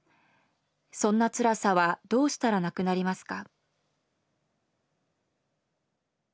そんな辛さはどうしたら無くなりますか？」。